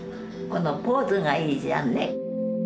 このポーズがいいじゃんね。